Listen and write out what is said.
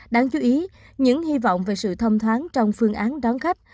đáng chú ý những hy vọng về sự thông thoáng trong phương án đón khách